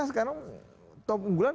sekarang top unggulan